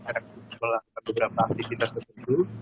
karena melakukan beberapa aktivitas tertentu